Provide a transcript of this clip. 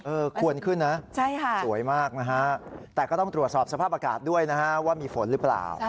ควรขึ้นนะสวยมากนะฮะแต่ก็ต้องตรวจสอบสภาพอากาศด้วยนะฮะว่ามีฝนหรือเปล่า